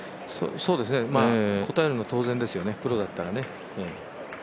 答えるのは当然ですよね、プロだったらね。